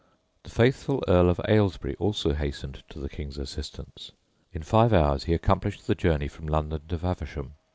The faithful Earl of Ailesbury also hastened to the King's assistance. In five hours he accomplished the journey from London to Faversham.